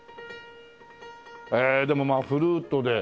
へえでもまあフルートで。